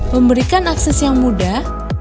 memberikan akses yang mudah